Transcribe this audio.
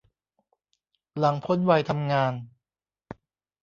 หลังพ้นวัยทำงาน